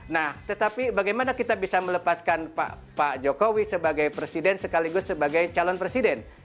nah tetapi bagaimana kita bisa melepaskan pak jokowi sebagai presiden sekaligus sebagai calon presiden